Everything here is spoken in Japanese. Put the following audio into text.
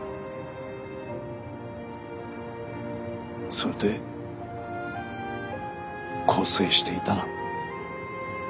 それで更生していたら。